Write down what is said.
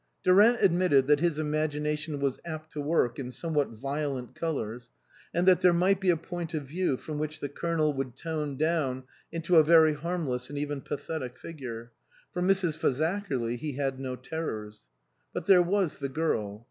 Durant admitted that his imagination was apt to work in somewhat violent colours, and that there might be a point of view from which the Colonel would tone down into a very harmless and even pathetic figure ; for Mrs. Fazakerly he had no terrors. But there was the girl.